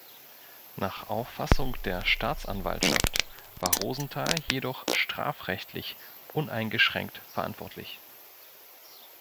Nach Auffassung der Staatsanwaltschaft war Rosenthal jedoch strafrechtlich uneingeschränkt verantwortlich.